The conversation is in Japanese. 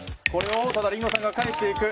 リンゴさんが返していく。